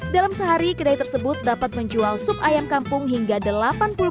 dalam sehari kedai tersebut dapat menjual sup ayam kampung hingga delapan puluh